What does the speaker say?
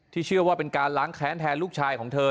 เชื่อว่าเป็นการล้างแค้นแทนลูกชายของเธอ